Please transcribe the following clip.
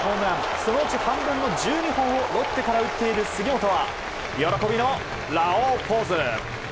そのうち半分の１２本をロッテから打っている杉本は喜びのラオウポーズ。